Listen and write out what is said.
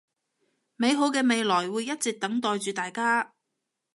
美好嘅未來會一直等待住大家